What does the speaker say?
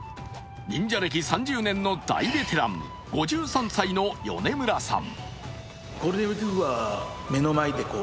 忍者歴３０年の大ベテラン、５３歳の米村さん。